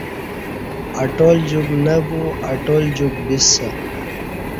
اٹال جوک نہ بو (اٹال جوک بسہ)